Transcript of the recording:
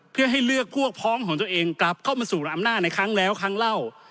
เพื่อให้เลือกพวกพ้องของตัวเองกลับเข้ามาสู่อำนาจในครั้งแล้วครั้งเล่า